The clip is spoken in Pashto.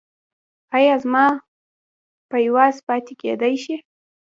ایا زما پایواز پاتې کیدی شي؟